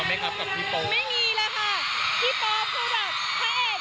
มองพี่เขาเป็นเหมือนแบบเออพระเอกอ่ะแล้วไม่มีไม่มีมาคุยอะไรหรอก